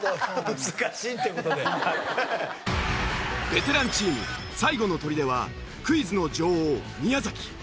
ベテランチーム最後の砦はクイズの女王宮崎。